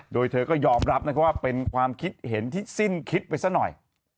โดยเธอก็ยอมรับนะครับว่าเป็นความคิดเห็นที่สิ้นคิดไปซะหน่อย